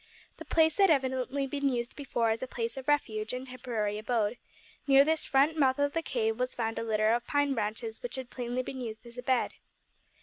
The place had evidently been used before as a place of refuge and temporary abode, for, near this front mouth of the cave was found a litter of pine branches which had plainly been used as a bed.